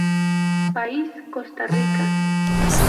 País: Costa Rica.